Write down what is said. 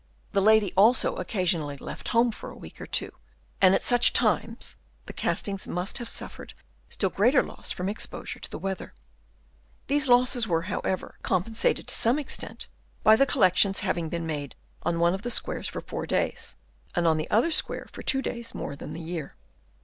The lady also occasionally left home for a week or two, and at such times the castings must have suffered still greater loss from exposure to the weather. These losses were, however, compensated to some extent by the collections having been made on one of the squares for four days, and on the other square for two days more than the year.